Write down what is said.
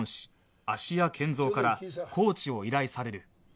芦屋賢三からコーチを依頼される